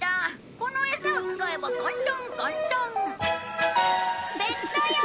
このえさを使えば簡単簡単！